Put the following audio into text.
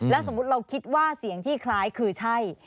สมมุติเราคิดว่าเสียงที่คล้ายคือใช่